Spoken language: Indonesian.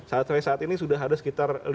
saat saat ini sudah ada sekitar lima